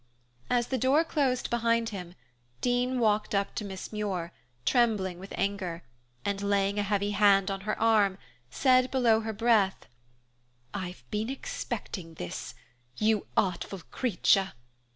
As the door closed behind him, Dean walked up to Miss Muir, trembling with anger, and laying a heavy hand on her arm, she said below her breath, "I've been expecting this, you artful creature.